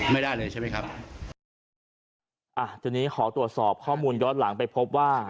ไม่ได้เลยใช่ไหมครับอ่ะทีนี้ขอตรวจสอบข้อมูลย้อนหลังไปพบว่า